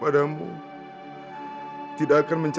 atas izin dan petunjuk mu